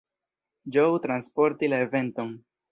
Joe transporti la eventon.